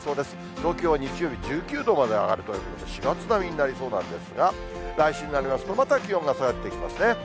東京、日曜日１９度まで上がるということで、４月並みになりそうなんですが、来週になりますと、また気温が下がっていきますね。